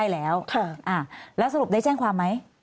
แล้วแล้วสรุปได้แจ้งความไหม